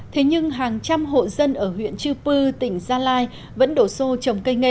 thế nhưng hàng trăm hộ dân ở huyện chư pư tỉnh gia lai vẫn đổ xô trồng cây nghệ